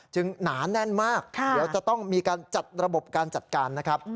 หนาแน่นมากเดี๋ยวจะต้องมีการจัดระบบการจัดการนะครับ